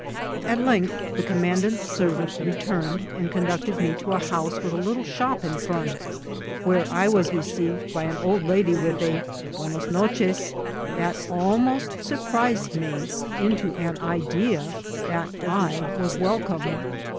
At lengdi the commandant's servant re turned and conducted me to a house with a little shop in front, where I was received by an old lady with a buenos noces that abnost surprised me into ail idea that I was welcome.